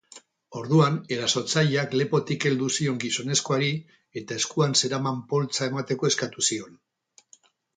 Orduan erasotzaileak lepotik heldu zion gizonezkoari eta eskuan zeraman poltsa emateko eskatu zion.